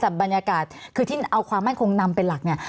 แต่บรรยากาศคือที่เอาความมั่นคงนำเป็นหลักเนี่ย